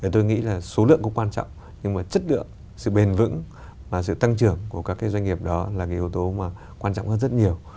tôi nghĩ là số lượng cũng quan trọng nhưng mà chất lượng sự bền vững và sự tăng trưởng của các doanh nghiệp đó là cái yếu tố mà quan trọng hơn rất nhiều